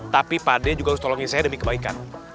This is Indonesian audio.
tapi pade juga harus tolongin saya demi kebaikan